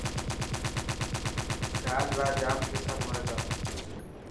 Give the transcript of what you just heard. شال را ڄام قصر هئي تا